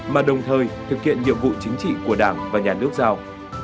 mà đồng thời thực hiện nhiệm vụ chính trị của đảng và nhà nước giao